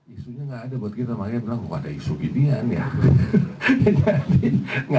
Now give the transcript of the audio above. isunya gak ada buat kita makanya bilang kok ada isu ginian ya